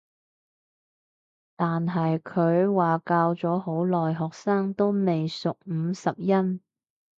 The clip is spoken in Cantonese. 但係佢話教咗好耐學生都未熟五十音